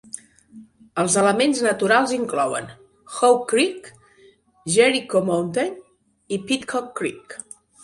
Els elements naturals inclouen Hough Creek, Jericho Mountain i Pidcock Creek.